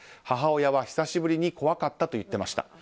母親は久しぶりに怖かったと言っていました。